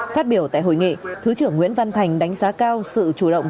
phát biểu tại hội nghị thứ trưởng nguyễn văn thành đánh giá cao sự chủ động